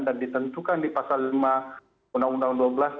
dan ditentukan di pasal lima undang undang dua belas